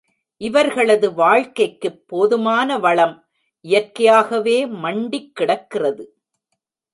இவர்களது வாழ்க்கைக்குப் போதுமான வளம் இயற்கையாகவே மண்டிக் கிடக்கிறது.